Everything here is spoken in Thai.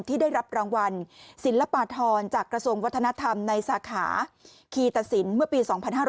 ที่ได้รับรางวัลศิลปธรจากกระทรวงวัฒนธรรมในสาขาคีตสินเมื่อปี๒๕๕๙